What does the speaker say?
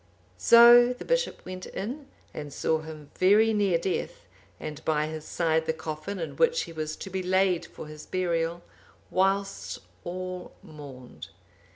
So the bishop went in, and saw him very near death, and by his side the coffin in which he was to be laid for his burial, whilst all mourned.